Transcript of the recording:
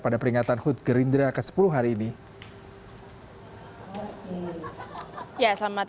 pada peringatan hut gerindra ke sepuluh hari ini